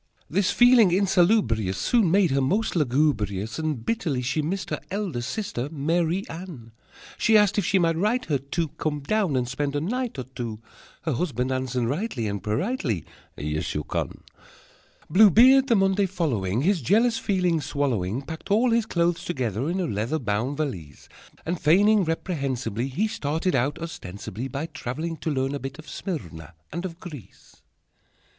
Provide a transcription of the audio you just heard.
_] This feeling insalubrious Soon made her most lugubrious, And bitterly she missed her Elder sister Marie Anne: She asked if she might write her to Come down and spend a night or two, Her husband answered rightly And politely: "Yes, you can!" Blue Beard, the Monday following, His jealous feeling swallowing, Packed all his clothes together In a leather Bound valise, And, feigning reprehensibly, He started out, ostensibly By traveling to learn a Bit of Smyrna And of Greece.